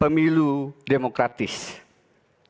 kegiatan dan kebebasan